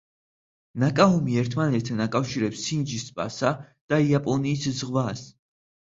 ნაკაუმი ერთმანეთთან აკავშირებს სინჯის ტბასა და იაპონიის ზღვას.